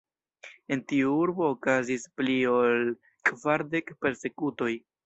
En tiu urbo okazis pli ol kvardek persekutoj.